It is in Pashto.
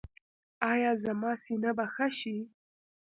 ایا زما سینه به ښه شي؟